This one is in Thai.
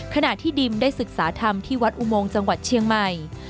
ขณะที่ดิมได้ศึกษาธรรมที่วัดอุโมงจังหวัดเชียงใหม่